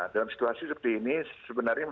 dalam situasi seperti ini sebenarnya